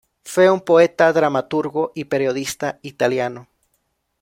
Fue un poeta, dramaturgo y periodista italiano.